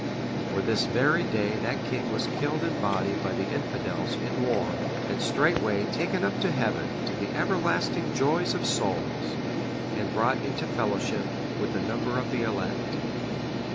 For this very day that king was killed in body by the infidels in war, and straightway taken up to Heaven to the everlasting joys of souls, and brought into fellowship with the number of the elect.